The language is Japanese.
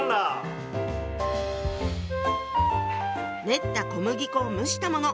練った小麦粉を蒸したもの。